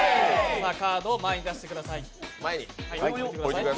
カードを前に出してください。